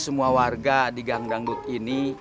semua warga di gang dangdut ini